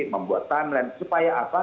membuat timeline supaya apa